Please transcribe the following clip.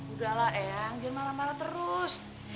udahlah ya anggil marah marah terus